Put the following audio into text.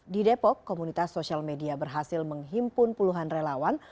di depok komunitas sosial media berhasil menghimpun puluhan relawan